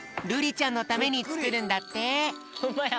ちゃんのためにつくるんだって。